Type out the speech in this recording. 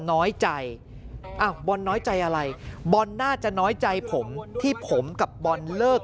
น้อยใจอ้าวบอลน้อยใจอะไรบอลน่าจะน้อยใจผมที่ผมกับบอลเลิก